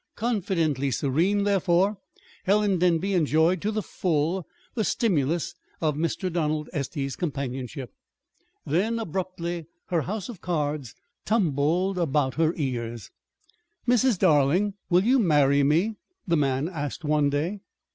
Confidently serene, therefore, Helen Denby enjoyed to the full the stimulus of Mr. Donald Estey's companionship. Then, abruptly, her house of cards tumbled about her ears. "Mrs. Darling, will you marry me?" the man asked one day.